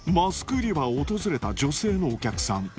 マスク売り場を訪れた女性のお客さん。